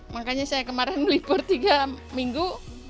makanya saya kemarin beli per tiga minggu